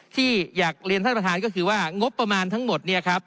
ที่อยากเรียนท่านประธานก็คือว่างบประมาณทั้งหมดเนี่ยครับ